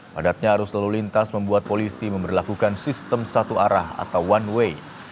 padatnya arus lalu lintas membuat polisi memperlakukan sistem satu arah atau one way